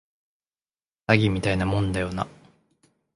詐欺みたいなもんだよな